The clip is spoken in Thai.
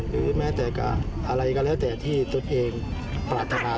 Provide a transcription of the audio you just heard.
หรืออะไรก็แล้วแต่ที่ตนเองปรารถนา